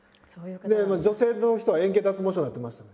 女性の人は円形脱毛症になってましたね。